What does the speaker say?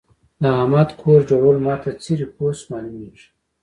د احمد کور جوړول ما ته څيرې پوست مالومېږي.